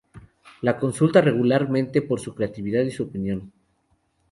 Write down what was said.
La consulta regularmente por su creatividad y su opinión.